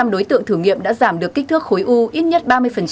năm mươi chín đối tượng thử nghiệm đã giảm được kích thước khối u ít nhất ba mươi